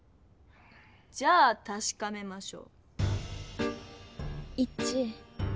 じゃあたしかめましょう。